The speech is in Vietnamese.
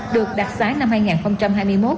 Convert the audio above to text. được đặc xá năm hai nghìn hai mươi một